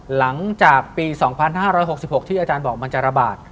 หลังจากปี๒๕๖๖ที่อาจารย์บอกมันจะระบาด